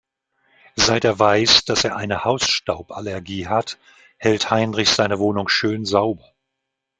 Seit er weiß, dass er eine Hausstauballergie hat, hält Heinrich seine Wohnung schön sauber.